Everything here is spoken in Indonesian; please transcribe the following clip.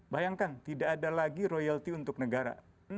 bayangkan tidak ada lagi royalti untuk negara